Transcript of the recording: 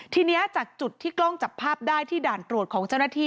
ทีนี้จากจุดที่กล้องจับภาพได้ที่ด่านตรวจของเจ้าหน้าที่